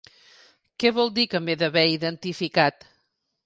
Que vol dir que m’he d’haver identificat?